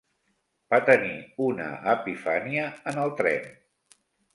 Va tenir una epifania en el tren.